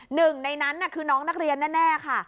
หนึ่งในนั้นคือน้องนักเรียนแน่ค่ะ